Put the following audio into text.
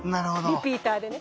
リピーターでね。